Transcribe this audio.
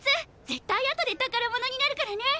絶対後で宝物になるからね！